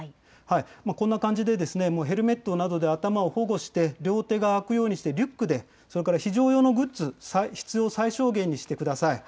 こんな感じで、ヘルメットなどで頭を保護して、両手があくようにして、リュックで、それから非常用のグッズ、必要最小限にしてください。